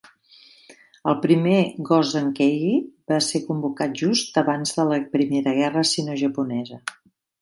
El primer "Gozen Kaigi" va ser convocat just abans de la Primera Guerra Sinojaponesa.